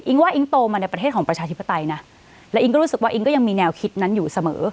ว่าอิ๊งโตมาในประเทศของประชาธิปไตยนะและอิงก็รู้สึกว่าอิ๊งก็ยังมีแนวคิดนั้นอยู่เสมอ